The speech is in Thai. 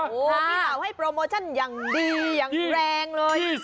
พี่บ่าวให้โปรโมชั่นอย่างดีอย่างแรงเลย